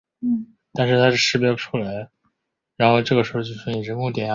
清朝崇德元年建旗。